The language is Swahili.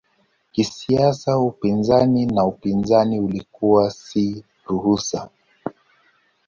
Kisiasa upinzani na upinzani ilikuwa si ruhusa.